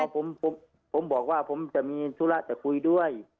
ผมบอกว่าผมจะมีธุระจะคุยด้วย